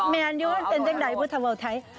แม่นอยู่เป็นจังใดพูดถ้าว่าไทย